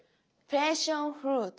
ペッションフルーツ。